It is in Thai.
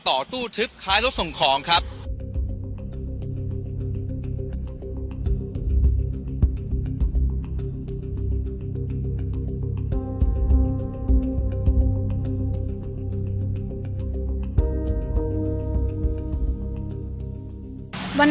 ตอนนี้จะเปลี่ยนอย่างนี้หรอว้าง